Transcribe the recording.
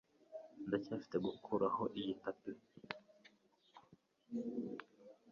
Ndacyafite gukuraho iyi tapi